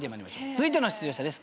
続いての出場者です。